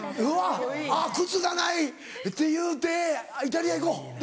あっ靴がないっていうてイタリア行こうって。